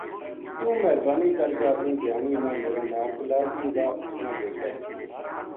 توہ مہربانی کر کے اپنی دھیانی نا میرے ناڑ چلا جی واہ اس نا دیکھے ‘‘